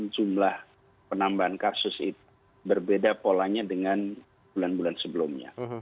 jumlah penambahan kasus itu berbeda polanya dengan bulan bulan sebelumnya